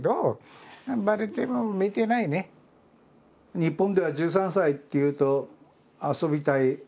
日本では１３歳っていうと遊びたい盛りですよね。